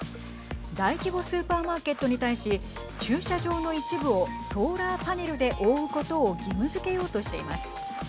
大規模スーパーマーケットに対し駐車場の一部をソーラーパネルで覆うことを義務づけようとしています。